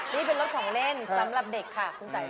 นี่เป็นรถของเล่นสำหรับเด็กค่ะคุณสัย